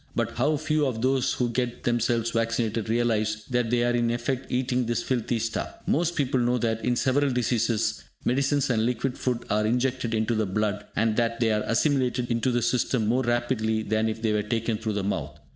But how few of those who get themselves vaccinated realise that they are in effect eating this filthy stuff! Most people know that, in several diseases, medicines and liquid food are injected into the blood, and that they are assimilated into the system more rapidly than if they were taken through the mouth.